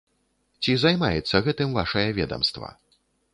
Ці займаецца гэтым вашае ведамства.